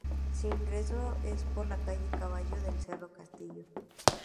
Su ingreso es por la Calle Callao del cerro Castillo.